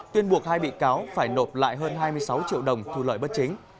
tuyên buộc hai bị cáo phải nộp lại hơn hai mươi sáu triệu đồng thu lợi bất chính